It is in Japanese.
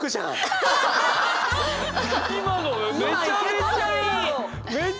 今のめちゃめちゃいいよ。